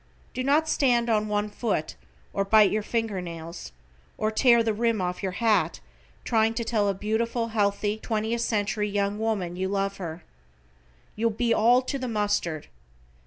Do not stand on one foot, or bite your fingernails, or tear the rim off your hat, trying to tell a beautiful, healthy twentieth century young woman you love her. You'll be all to the mustard.